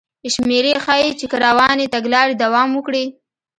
شمېرې ښيي چې که روانې تګلارې دوام وکړي